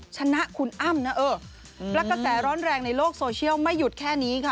ชนะคุณอ้ำนะเออและกระแสร้อนแรงในโลกโซเชียลไม่หยุดแค่นี้ค่ะ